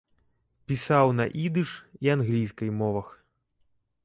Пісаў на ідыш і англійскай мовах.